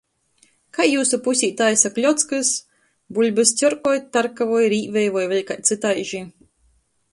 Kai jiusu pusē taisa kļockys? Buļbys cjorkoj, tarkavoj, rīvej voi vēļ kai cytaiži?